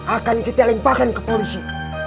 akan kita limpahkan ke polisi